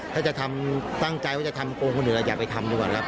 ถ้าจะทำตั้งใจว่าจะทำโกงคนอื่นอย่าไปทำดีกว่าครับ